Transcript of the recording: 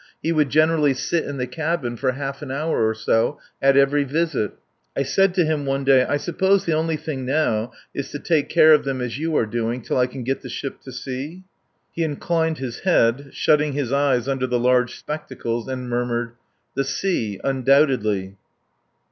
He would generally sit in the cabin for half an hour or so at every visit. I said to him one day: "I suppose the only thing now is to take care of them as you are doing till I can get the ship to sea?" He inclined his head, shutting his eyes under the large spectacles, and murmured: "The sea ... undoubtedly."